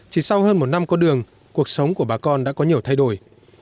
chỉ sau hơn một năm có đường cuộc sống của bà con đã có nhiều thay đổi